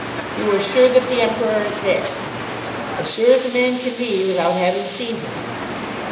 "You are sure that the Emperor is there." "As sure as a man can be without having seen him."